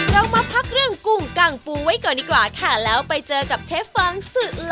เรามาพักเรื่องกุ้งกังปูไว้ก่อนดีกว่าค่ะแล้วไปเจอกับเชฟฟังสุด